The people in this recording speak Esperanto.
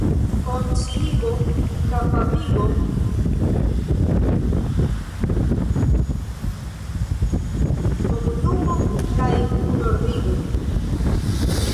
konsciigo, kapabligo, komunumo kaj kunordigo.